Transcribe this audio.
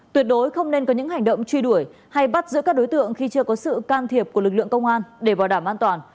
tuyệt đối không nên có những hành động truy đuổi hay bắt giữ các đối tượng khi chưa có sự can thiệp của lực lượng công an để bảo đảm an toàn